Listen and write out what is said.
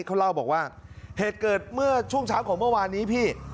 เขาเล่าบอกว่าเหตุเกิดเมื่อช่วงเช้าของเมื่อวานนี้พี่